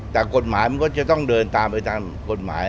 แต่กฏหมายก็จะต้องเดินตามกฏหมาย